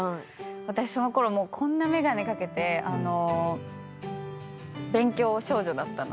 私そのころこんな眼鏡掛けて勉強少女だったので。